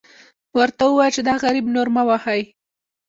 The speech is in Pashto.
ورته ووایه چې دا غریب نور مه وهئ.